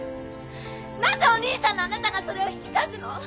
なぜお兄さんのあなたがそれを引き裂くの！？